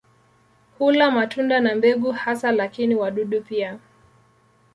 Hula matunda na mbegu hasa lakini wadudu pia.